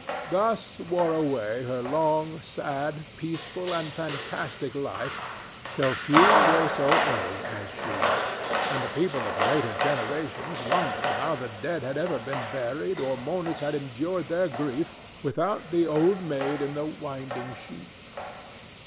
Thus wore away her long, sad, peaceful and fantastic life till few were so old as she, and the people of later generations wondered how the dead had ever been buried or mourners had endured their grief without the Old Maid in the Winding Sheet.